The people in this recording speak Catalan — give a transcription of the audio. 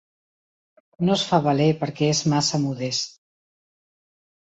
No es fa valer perquè és massa modest.